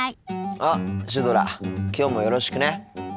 あっシュドラきょうもよろしくね。